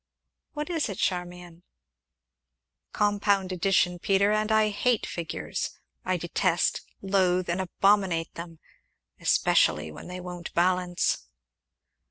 "What is it, Charmian?" "Compound addition, Peter, and I hate figures. I detest, loathe, and abominate them especially when they won't balance!"